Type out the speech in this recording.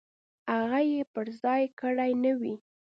هغه یې پر ځای کړې نه وي.